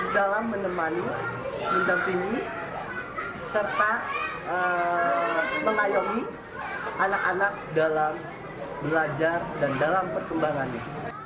dalam menemani mendampingi serta mengayomi anak anak dalam belajar dan dalam perkembangannya